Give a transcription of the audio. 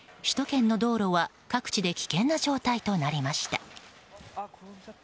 首都圏の道路は各地で危険な状態となりました。